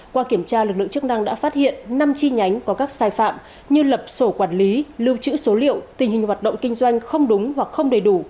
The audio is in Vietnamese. qua kiểm tra lực lượng chức năng đã phát hiện năm chi nhánh có các sai phạm như lập sổ quản lý lưu trữ số liệu tình hình hoạt động kinh doanh không đúng hoặc không đầy đủ